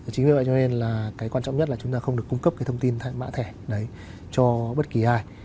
chính vì vậy cho nên là cái quan trọng nhất là chúng ta không được cung cấp cái thông tin mã thẻ đấy cho bất kỳ ai